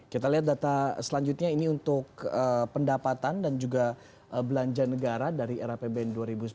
kita lihat data selanjutnya ini untuk pendapatan dan juga belanja negara dari era pbn dua ribu sembilan belas